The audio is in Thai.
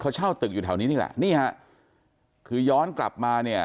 เขาเช่าตึกอยู่แถวนี้นี่แหละนี่ฮะคือย้อนกลับมาเนี่ย